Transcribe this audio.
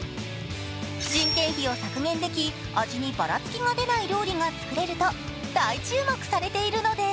人件費を削減でき、味にばらつきが出ない料理が作れると大注目されているのです。